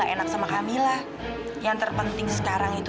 kalau kamu yang ngirim bunga itu